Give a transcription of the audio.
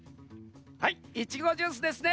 はいいちごジュースですね。